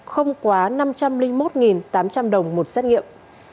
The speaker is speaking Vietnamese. không quá năm trăm linh một tám trăm linh đồng một xét nghiệm